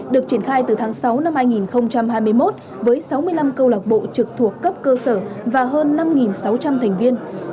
được triển khai từ tháng sáu năm hai nghìn hai mươi một với sáu mươi năm câu lạc bộ trực thuộc cấp cơ sở và hơn năm sáu trăm linh thành viên